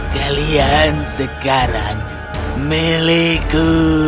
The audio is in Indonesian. kalian sekarang milikku